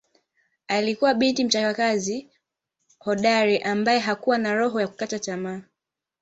Alikuwa binti mchapakazi hodari ambae hakuwa na roho ya kukata tamaa